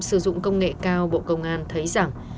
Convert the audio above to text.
sử dụng công nghệ cao bộ công an thấy rằng